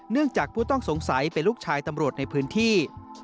จากผู้ต้องสงสัยเป็นลูกชายตำรวจในพื้นที่